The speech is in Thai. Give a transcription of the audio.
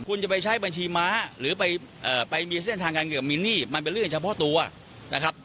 คุณจะไปใช้บัญชีม้าหรือไปมีเส้นทางการเงินกับมินนี่มันเป็นเรื่องเฉพาะตัวนะครับ